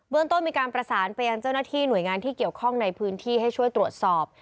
ต้นมีการประสานไปยังเจ้าหน้าที่หน่วยงานที่เกี่ยวข้องในพื้นที่ให้ช่วยตรวจสอบ